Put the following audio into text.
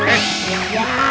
eh lihat ya